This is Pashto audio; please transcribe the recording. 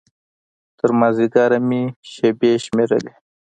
تر مازديګره مې شېبې شمېرلې.